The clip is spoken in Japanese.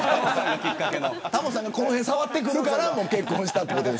タモさんが、この辺触ってくるから結婚したということ。